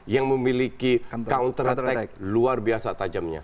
yang memiliki culture attack luar biasa tajamnya